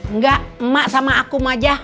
enggak ma sama aku ma aja